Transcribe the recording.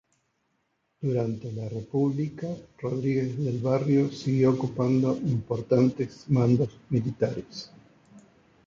Durante la República, Rodríguez del Barrio siguió ocupando importantes mandos militares.